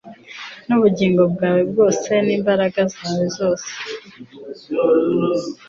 n'ubugingo bwawe bwose n'imbaraga zawe zose,